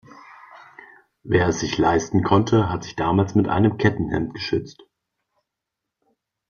Wer es sich leisten konnte, hat sich damals mit einem Kettenhemd geschützt.